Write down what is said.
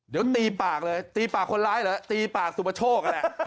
เดี๋ยวตีปากเลยตีปากคนร้ายเหรอตีปากสุปโชคนั่นแหละ